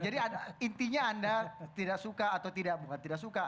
jadi intinya anda tidak suka atau tidak bukan tidak suka